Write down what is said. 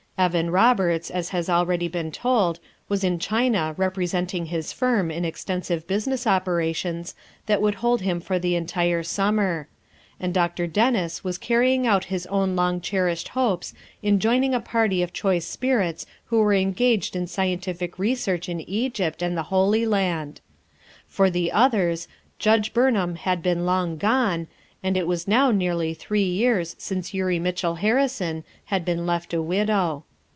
Evan Roberts, as has already been told, was in China representing his firm in extensive busi ness operations that would hold him for the entire summer; and Dr. Dennis was carrying out his own long cherished hopes in joining a party of choice spirits who were engaged in scientific research in Egypt and the Holy Land. For the others, Judge Burnham had been long gone, and it was now nearly three years since Eurie Mitchell Harrison had been left a widow.